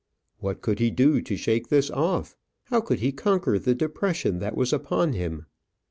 What could he do to shake this off? How could he conquer the depression that was upon him?